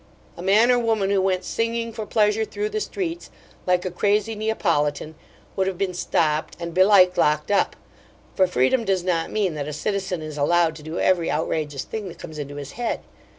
A man or woman who went singing for pleasure through the streets like a crazy Neopolitan would have been stopped, and belike locked up; for Freedom does not mean that a citizen is allowed to do every outrageous thing that comes into his head.